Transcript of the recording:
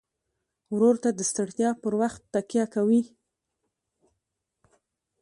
ورور ته د ستړیا پر وخت تکیه کوي.